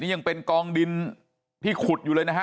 ยังเป็นกองดินที่ขุดอยู่เลยนะฮะ